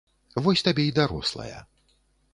Вось табе і дарослая!